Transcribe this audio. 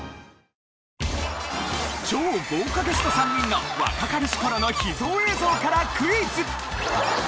超豪華ゲスト３人の若かりし頃の秘蔵映像からクイズ！